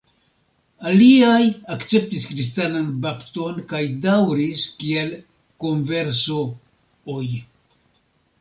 Aliaj akceptis kristanan bapton kaj daŭris kiel "converso"-oj.